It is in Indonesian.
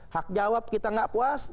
hak jawab kita nggak puas